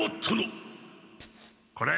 これ。